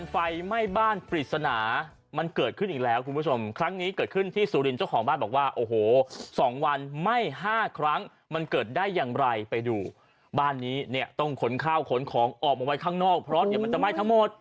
ไฟไหม้บ้านปริศนามันเกิดขึ้นอีกแล้วคุณผู้ชมครั้งนี้เกิดขึ้นที่สุรินทร์เจ้าของบ้านบอกว่าโอ้โหสองวันไหม้ห้าครั้งมันเกิดได้อย่างไรไปดูบ้านนี้เนี่ยต้องขนข้าวขนของออกมาไว้ข้างนอกเพราะเดี๋ยวมันจะไหม้ทั้งหมด